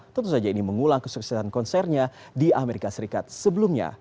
tentu saja ini mengulang kesuksesan konsernya di amerika serikat sebelumnya